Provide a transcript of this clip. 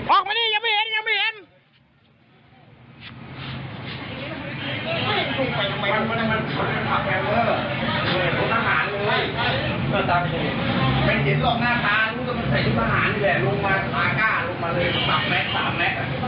ออกมานี่ยังไม่เห็นยังไม่เห็นหรอก